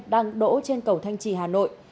đang đổ trên cầu thanh trì hà nội